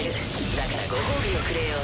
だからご褒美をくれよ。